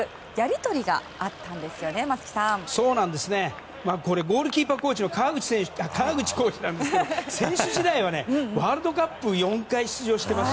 これ、ゴールキーパーコーチの川口コーチなんですけど選手時代はワールドカップに４回出場してます。